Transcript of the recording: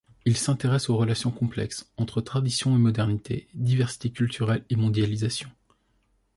Il s’intéresse aux relations complexes entre tradition et modernité, diversité culturelle et mondialisation.